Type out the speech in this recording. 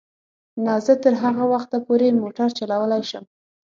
نه، زه تر هغه وخته پورې موټر چلولای شم.